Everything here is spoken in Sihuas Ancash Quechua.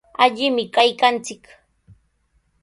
Allimi kaykanchik.